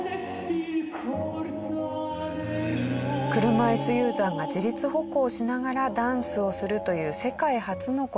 車椅子ユーザーが自立歩行しながらダンスをするという世界初の事。